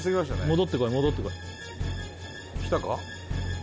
戻ってこい戻ってこいきたか？